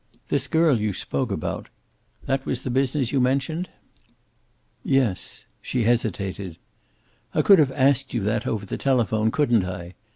"This girl you spoke about, that was the business you mentioned?" "Yes." She hesitated. "I could have asked you that over the telephone, couldn't I?